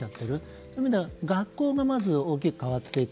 そういう意味では学校がまず大きく変わっていく。